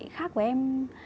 khác của em